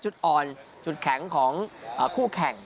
จุดอ่อนจุดแข็งของคู่แข่ง